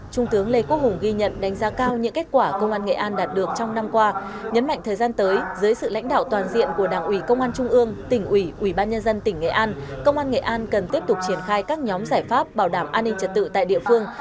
công an nghệ an cần tiếp tục triển khai các nhóm giải pháp bảo đảm an ninh trật tự tại địa phương